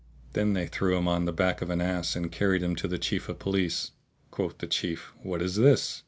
Then they threw him on the back of an ass and carried him to the Chief of Police. Quoth the Chief, "What is this?"